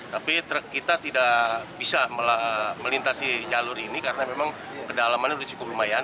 tapi truk kita tidak bisa melintasi jalur ini karena memang kedalaman ini cukup lumayan